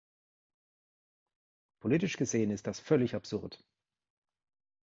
Politisch gesehen ist das völlig absurd!